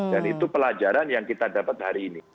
dan itu pelajaran yang kita dapat hari ini